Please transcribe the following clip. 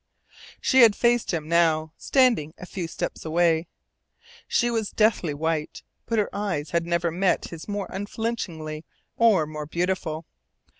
She had faced him now, standing a few steps away. She was deathly white, but her eyes had never met his more unflinchingly or more beautiful.